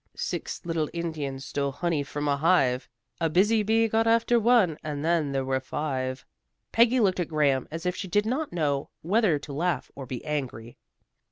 "Six little Indians stole honey from a hive, A busy bee got after one and then there were but five." Peggy looked at Graham as if she did not know whether to laugh or be angry.